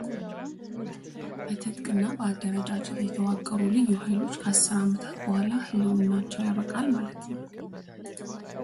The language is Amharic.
በትጥቅ እና በአደረጃጀት የተዋቀሩት ልዩ ኃይሎች ከአስር ዓመታት በኋላ ህልውናቸው ያበቃል ማለት ነው።